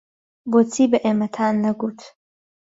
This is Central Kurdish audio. بۆچی بە ئێمەتان نەگوت؟